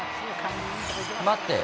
待って。